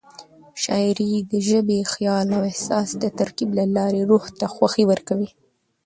شاعري د ژبې، خیال او احساس د ترکیب له لارې روح ته خوښي ورکوي.